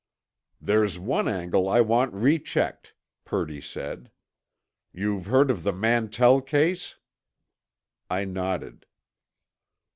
"There's one angle I want rechecked," Purdy said. "You've heard of the Mantell case?" I nodded.